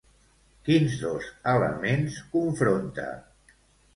Quins dos elements confronta?